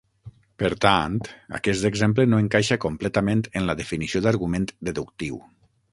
Per tant, aquest exemple no encaixa completament en la definició d'argument deductiu.